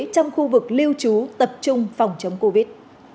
trong khu vực lưu trú tập trung phòng chống covid